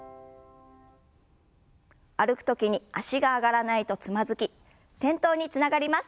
歩く時に脚が上がらないとつまずき転倒につながります。